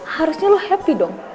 harusnya lu happy dong